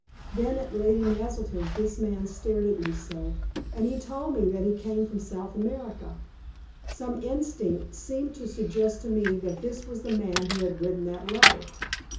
Then at Lady Naselton's this man stared at me so, and he told me that he came from South America. Some instinct seemed to suggest to me that this was the man who had written that letter.